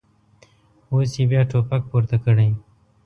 اوس یې بیا ټوپک پورته کړی.